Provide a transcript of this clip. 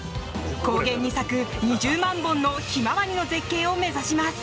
高原に咲く２０万本のヒマワリの絶景を目指します。